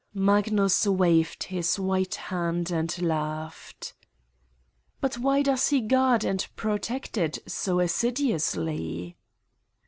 '' Magnus waved his white hand and laughed. "But why does he guard and protect it so as siduously.